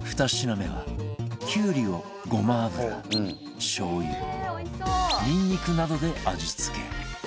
２品目はきゅうりをごま油しょう油ニンニクなどで味付け